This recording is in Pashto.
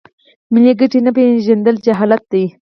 ملي ګټې نه پیژندل جهالت دی.